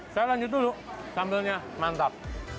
saya lanjut dulu kambilnya mantap